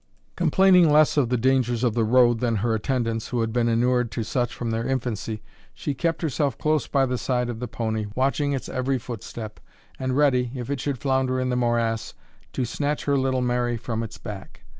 Complaining less of the dangers of the road than her attendants, who had been inured to such from their infancy, she kept herself close by the side of the pony, watching its every footstep, and ready, if it should flounder in the morass, to snatch her little Mary from its back.